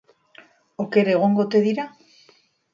Oker egongo ote dira?